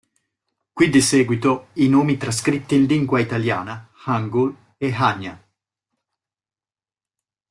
Qui di seguito i nomi trascritti in lingua italiana, Hangŭl e Hanja.